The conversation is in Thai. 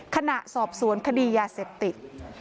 ขณะสอบสวนคดียาเสพติด